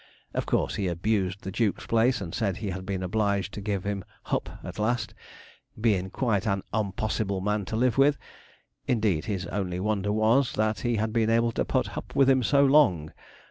Of course, he abused the duke's place, and said he had been obliged to give him 'hup' at last, 'bein' quite an unpossible man to live with; indeed, his only wonder was, that he had been able to put hup with him so long.'